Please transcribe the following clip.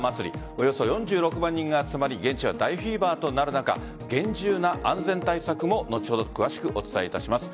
およそ４６万人が集まり現地は大フィーバーとなる中厳重な安全対策も後ほど詳しくお伝えします。